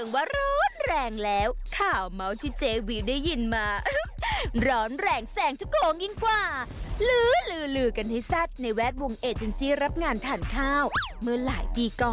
โปรดติดตามตอนต่อไป